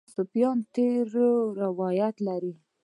صوفیان تېر روایت لري.